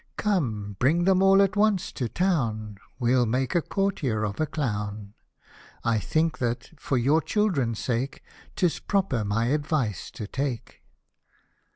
Come, bring them all at once to town, We'll make a courtier of a clown. I think that, for your children's sake, 'Tis proper my advice to take."